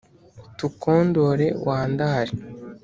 tukwondore wandare